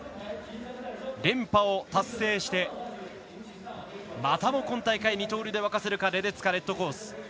連覇を達成してまたも今大会二刀流で沸かせるか、レデツカレッドコース。